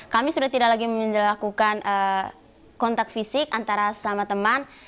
kami sudah tidak lagi melakukan kontak fisik antara sama teman